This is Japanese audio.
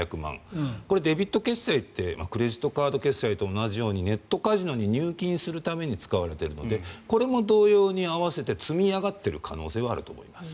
これ、デビット決済ってクレジットカード決済と同じようにネットカジノに入金するために使われているのでこれも同様に、合わせて積み上がっている可能性はあると思います。